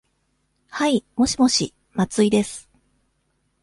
はい、もしもし、松井です。